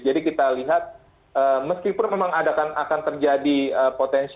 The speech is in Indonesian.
jadi kita lihat meskipun memang akan terjadi potensi